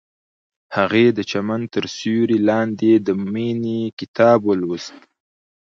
هغې د چمن تر سیوري لاندې د مینې کتاب ولوست.